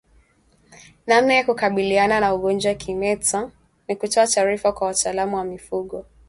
Namna ya kukabiliana na ugonjwa wa kimeta ni kutoa taarifa kwa wataalamu wa mifugo